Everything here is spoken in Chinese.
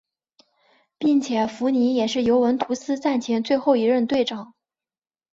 并且福尼也是尤文图斯战前最后一任队长。